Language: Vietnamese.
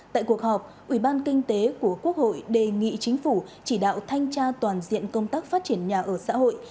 tại cuộc họp ủy ban kinh tế của quốc hội đề nghị chính phủ chỉ đạo thanh tra toàn diện công tác phát triển nhà ở xã hội